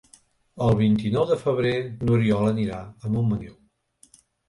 El vint-i-nou de febrer n'Oriol anirà a Montmaneu.